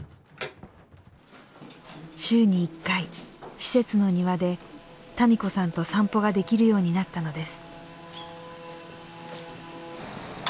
週に１回施設の庭で多美子さんと散歩ができるようになったのです。